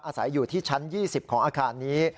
อาศัยอยู่ที่ชั้น๒๐ของอาคารนี้